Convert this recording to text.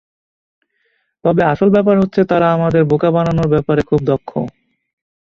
তবে আসল ব্যাপার হচ্ছে, তারা আমাদের বোকা বানানোর ব্যাপারে খুব দক্ষ।